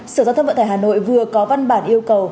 sở giao thông vận tải hà nội vừa có văn bản yêu cầu